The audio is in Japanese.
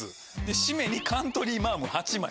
締めにカントリーマアム８枚。